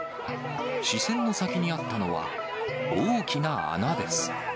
視線の先にあったのは、大きな穴です。